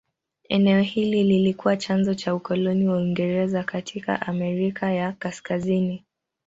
Eneo hili lilikuwa chanzo cha ukoloni wa Uingereza katika Amerika ya Kaskazini.